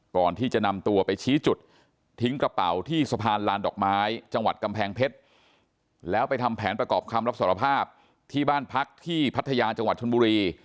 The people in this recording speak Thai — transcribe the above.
ก่อนที่จะนำตัวไปชี้จุดทิ้งกระเป๋าที่สะพานลานดอกไม้จังหวัดกำแพงเพชรแล้วไปทำแผนประกอบคำรับสารภาพที่บ้านพักที่พัทยาจังหวัดชนบุรี